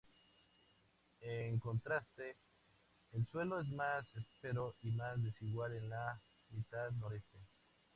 En contraste, el suelo es más áspero y más desigual en la mitad noreste.